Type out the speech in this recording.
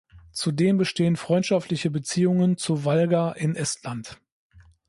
Zudem bestehen freundschaftliche Beziehungen zu Valga in Estland.